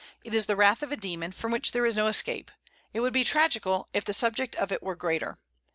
It is the wrath of a demon, from which there is no escape; it would be tragical if the subject of it were greater.